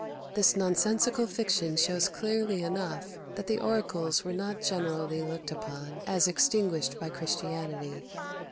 This nonsensical fiction shows clearly enough that the oracles were not generally looked upon as extinguished by Christianity.